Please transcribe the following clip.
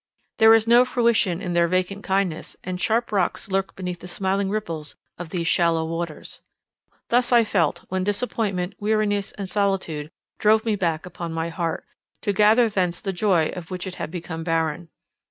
There is no fruition in their vacant kindness, and sharp rocks lurk beneath the smiling ripples of these shallow waters. Thus I felt, when disappointment, weariness, and solitude drove me back upon my heart, to gather thence the joy of which it had become barren.